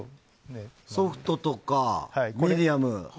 ソフトとか、ミディアム。